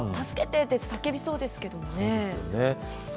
助けてって叫びそうですけどね。